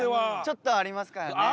ちょっとありますからね。